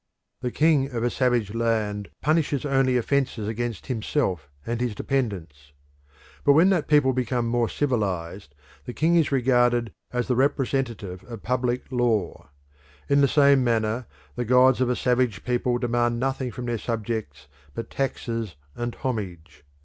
The king of a savage land punishes only offences against himself and his dependents. But when that people become more civilised the king is regarded as the representative of public law. In the same manner the gods of a savage people demand nothing from their subjects but taxes and homage.